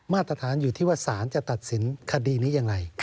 มาตรฐานอยู่ที่ว่าสารจะตัดสินคดีนี้อย่างไร